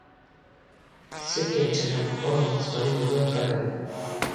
سه کېچه د مقر ولسوالي يو لوی کلی دی.